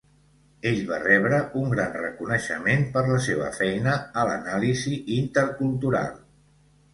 Ell va rebre un gran reconeixement per la seva feina a l"anàlisi inter-cultural.